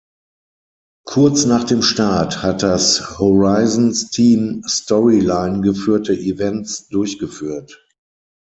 Kurz nach dem Start hat das "Horizons" Team Storyline geführte Events durchgeführt.